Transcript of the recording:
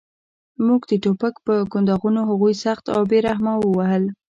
موږ د ټوپک په کنداغونو هغوی سخت او بې رحمه ووهل